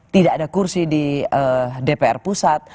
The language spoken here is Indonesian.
tidak ada kursi di dpr pusat